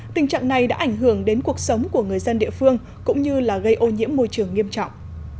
tình trạng này đã ảnh hưởng đến cuộc sống của người dân địa phương cũng như gây ô nhiễm môi trường nghiêm trọng